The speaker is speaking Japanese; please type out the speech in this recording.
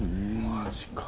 マジか。